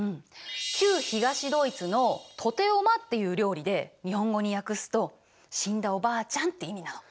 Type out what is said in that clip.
旧東ドイツのＴｏｔｅＯｍａっていう料理で日本語に訳すと「死んだおばあちゃん」って意味なの。